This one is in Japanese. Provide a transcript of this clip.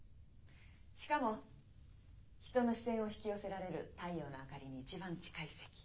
しかも人の視線を引き寄せられる太陽の明かりに一番近い席。